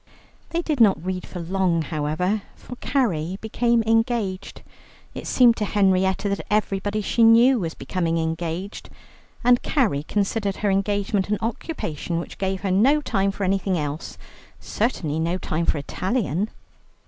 They did not read for long, however, for Carrie became engaged, it seemed to Henrietta that everybody she knew was becoming engaged, and Carrie considered her engagement an occupation which gave her no time for anything else, certainly no time for Italian.